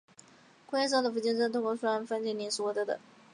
工业上的氢氟酸是通过用酸分解磷灰石获得的。